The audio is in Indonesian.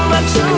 yang suka padaku